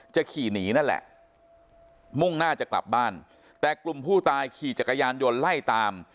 ขี่หนีนั่นแหละมุ่งหน้าจะกลับบ้านแต่กลุ่มผู้ตายขี่จักรยานยนต์ไล่ตาม